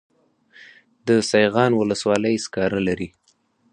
د سیغان ولسوالۍ سکاره لري